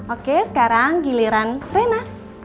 oke sekarang giliran rena